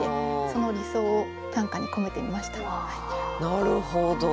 なるほど。